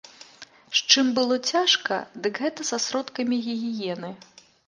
З чым было цяжка, дык гэта са сродкамі гігіены.